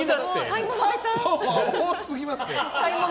多すぎますって。